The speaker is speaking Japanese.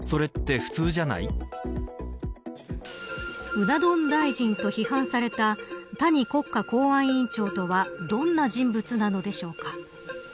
うな丼大臣と批判された谷国家公安委員長とはどんな人物なのでしょうか。